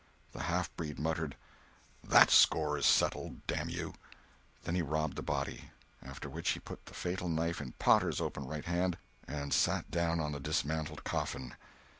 The half breed muttered: "That score is settled—damn you." Then he robbed the body. After which he put the fatal knife in Potter's open right hand, and sat down on the dismantled coffin.